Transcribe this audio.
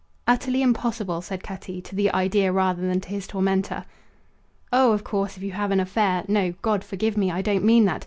"Utterly impossible," said Cutty, to the idea rather than to his tormentor. "Oh, of course, if you have an affair No, God forgive me, I don't mean that!